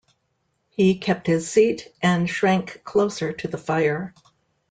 He kept his seat, and shrank closer to the fire.